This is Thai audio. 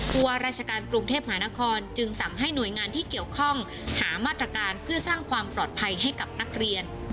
ว่าราชการกรุงเทพมหานครจึงสั่งให้หน่วยงานที่เกี่ยวข้องหามาตรการเพื่อสร้างความปลอดภัยให้กับนักเรียน